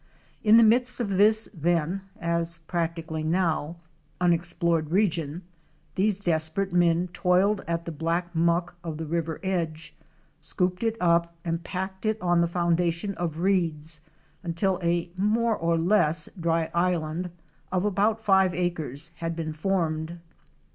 In the midst of this then (as practically now) unexplored region, these desperate men toiled at the black muck of the river edge, scooped it up and packed it on the foundation of reeds until a more or less dry island of about five acres had been formed.